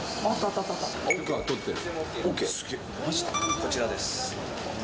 こちらです。